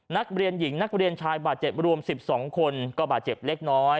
นักเรียนหญิงนักเรียนชายบาดเจ็บรวม๑๒คนก็บาดเจ็บเล็กน้อย